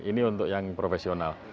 ini untuk yang profesional